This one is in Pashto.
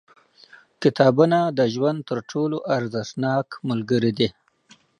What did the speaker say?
• کتابونه د ژوند تر ټولو ارزښتناک ملګري دي.